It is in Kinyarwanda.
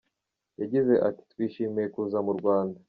Yagize ati “Twishimiye kuza mu Rwanda.